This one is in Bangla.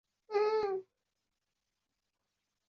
কিন্তু এখনও এর কোনো প্রতিকার করা হয়নি।